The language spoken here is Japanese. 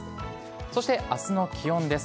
そしてあすの気温です。